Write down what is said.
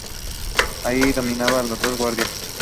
Ahí dormía los días de guardia.